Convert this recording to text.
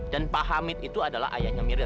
dan pak hamid itu adalah ayahnya mirza